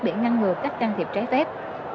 để ngăn ngừa các can thiệp trái phép